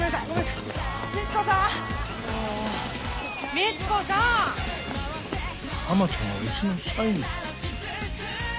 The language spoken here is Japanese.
ハマちゃんがうちの社員。